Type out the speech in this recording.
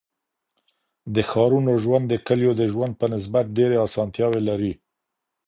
د ښارونو ژوند د کليو د ژوند په نسبت ډيري اسانتياوي لري.